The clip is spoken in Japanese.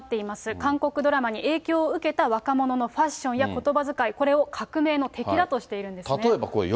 韓国ドラマに影響を受けた若者のファッションやことばづかい、これを革命の敵だとしているんですね。